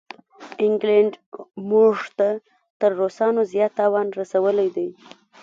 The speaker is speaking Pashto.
انګلینډ موږ ته تر روسانو زیات تاوان رسولی دی.